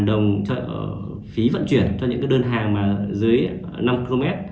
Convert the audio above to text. đồng giá một mươi năm đồng phí vận chuyển cho những đơn hàng dưới năm km